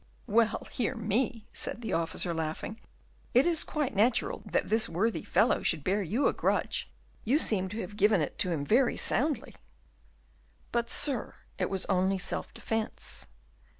"Well! hear me," said the officer, laughing, "it is quite natural that this worthy fellow should bear you a grudge, you seem to have given it him very soundly." "But, sir, it was only in self defence."